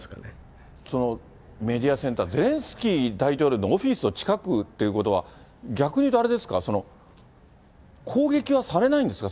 メディアセンター、ゼレンスキー大統領のオフィスの近くっていうことは、あれですか、逆に言うと、あれですか、攻撃はされないんですか？